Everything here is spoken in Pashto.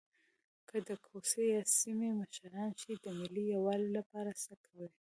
که د کوڅې یا سیمې مشران شئ د ملي یووالي لپاره څه کوئ.